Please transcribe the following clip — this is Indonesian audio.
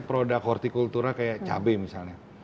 produk hortikultura kayak cabai misalnya